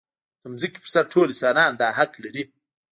د ځمکې پر سر ټول انسانان دا حق لري.